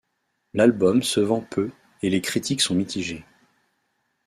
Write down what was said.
L'album se vend peu et les critiques sont mitigées.